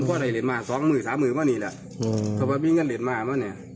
โอ้ยดูสิคุณผู้ชม